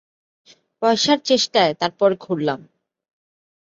পয়সার চেষ্টায় তার পর ঘুরলাম।